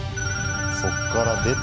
そっから出て。